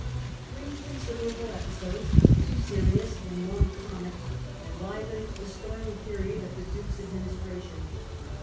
Three considerable episodes, two serious and one comic, enlivened the stormy period of the Duke's ad ministration.